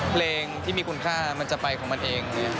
เพลงที่มีคุณค่ามันจะไปของมันเอง